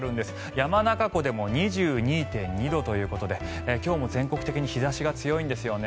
山中湖でも２２．２度ということで今日も全国的に日差しが強いんですよね。